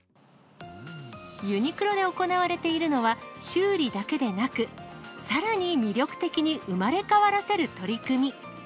ユニクロで行われているのは、修理だけでなく、さらに魅力的に生まれ変わらせる取り組み。